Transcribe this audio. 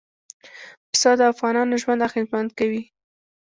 پسه د افغانانو ژوند اغېزمن کوي.